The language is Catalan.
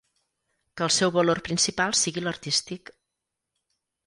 Que el seu valor principal sigui l'artístic.